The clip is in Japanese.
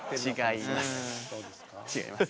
違います。